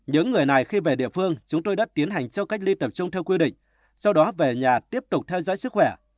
những người này khi về địa phương chúng tôi đã tiến hành cho cách ly tập trung theo quy định sau đó về nhà tiếp tục theo dõi sức khỏe